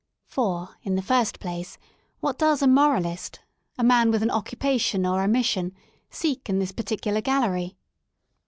For, in the first place, what does a moralist — sl man with an occupation or a mission — seek in this particular galley?